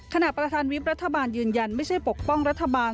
ขณะประธานวิบรัฐบาลยืนยันไม่ใช่ปกป้องรัฐบาล